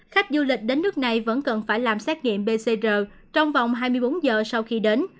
khách du lịch đến nước này vẫn cần phải làm xét nghiệm pcr trong vòng hai mươi bốn giờ sau khi đến